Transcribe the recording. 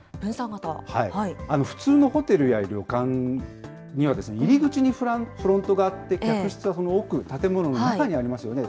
普通のホテルや旅館には、入り口にフロントがあって客室はその奥、建物の中にありますよね。